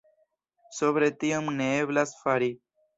Sobre tion ne eblas fari.